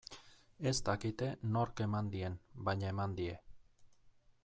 Ez dakite nork eman dien, baina eman die.